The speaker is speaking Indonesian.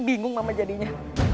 bingung mama jadinya